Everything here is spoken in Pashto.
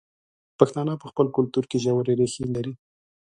پښتانه په خپل کلتور کې ژورې ریښې لري.